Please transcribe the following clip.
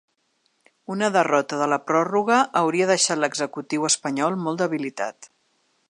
Una derrota de la pròrroga hauria deixat l’executiu espanyol molt debilitat.